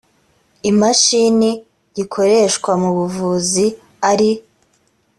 imashini gikoreshwa mu buvuzi ari